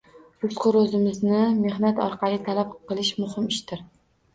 Rizqu ro‘zimizni mehnat orqali talab qilish muhim ishdir